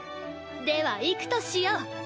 では行くとしよう。